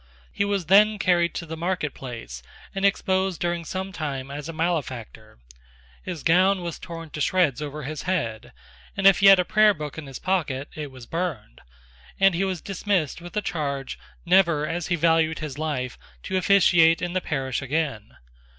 He was then carried to the market place, and exposed during some time as a malefactor. His gown was torn to shreds over his head: if he had a prayer book in his pocket it was burned; and he was dismissed with a charge, never, as he valued his life, to officiate in the parish again.